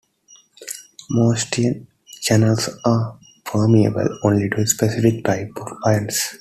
Most ion channels are permeable only to specific types of ions.